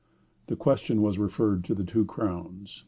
The question was referred to the two Crowns.